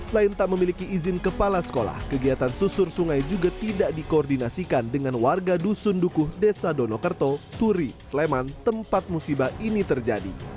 selain tak memiliki izin kepala sekolah kegiatan susur sungai juga tidak dikoordinasikan dengan warga dusun dukuh desa donokerto turi sleman tempat musibah ini terjadi